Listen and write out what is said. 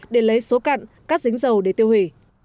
để lấy số cặn cắt dính dầu để tiêu hủy